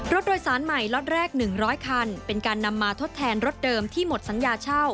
รถโดยสารใหม่ล็อตแรก๑๐๐คันเป็นการนำมาทดแทนรถเดิมที่หมดสัญญาเช่า